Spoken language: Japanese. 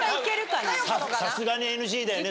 さすがにＮＧだよね？